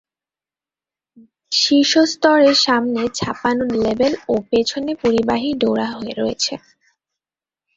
শীর্ষ স্তরে সামনে ছাপানো লেবেল ও পেছনে পরিবাহী ডোরা রয়েছে।